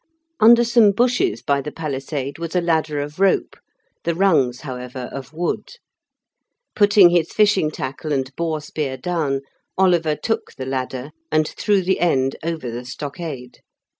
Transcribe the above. Under some bushes by the palisade was a ladder of rope, the rungs, however, of wood. Putting his fishing tackle and boar spear down, Oliver took the ladder and threw the end over the stockade.